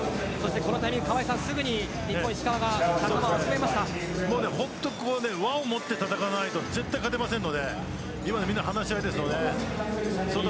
このタイミングで日本、石川が和を持って戦わないと絶対に勝てませんので今、みんな話し合っていますよね。